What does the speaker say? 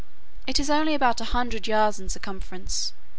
It is only about 100 yards in circumference.